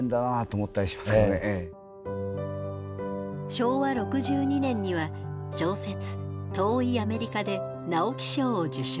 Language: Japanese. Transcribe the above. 昭和６２年には小説「遠いアメリカ」で直木賞を受賞。